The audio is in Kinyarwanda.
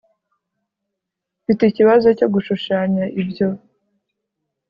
mfite ikibazo cyo gushushanya ibyo